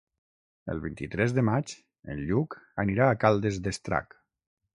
El vint-i-tres de maig en Lluc anirà a Caldes d'Estrac.